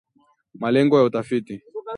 Malengo ya Utafiti